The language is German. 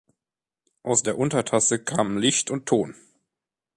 Aus der Untertasse kamen Licht und Ton.